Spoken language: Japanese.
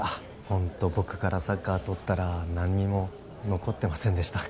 ホント僕からサッカー取ったら何にも残ってませんでした